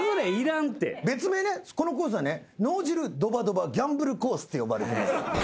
別名ねこのコースはね脳汁ドバドバギャンブルコースって呼ばれてます。